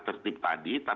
tata tertib beracara tadi